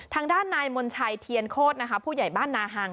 ทางด้านนายมนชัยเทียนโคตรนะคะผู้ใหญ่บ้านนาฮัง